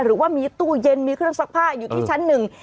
หรือว่ามีตู้เย็นมีเครื่องซักผ้าอยู่ที่ชั้นหนึ่ง